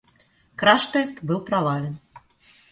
Краш-тест был провален.